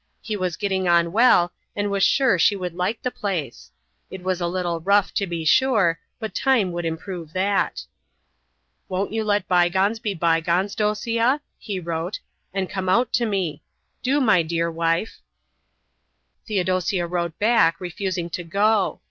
He was getting on well, and was sure she would like the place. It was a little rough, to be sure, but time would improve that. "Won't you let bygones be bygones, Dosia?" he wrote, "and come out to me. Do, my dear wife." Theodosia wrote back, refusing to go.